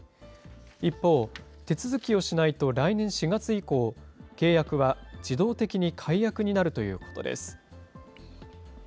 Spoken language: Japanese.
一方、手続きをしないと来年４月以降、契約は自動的に解約になるということです。